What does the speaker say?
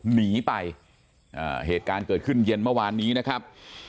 หนีไปอ่าเหตุการณ์เกิดขึ้นเย็นเมื่อวานนี้นะครับ